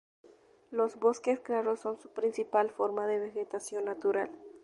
Los bosques claros son su principal forma de vegetación natural.